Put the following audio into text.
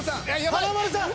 華丸さん！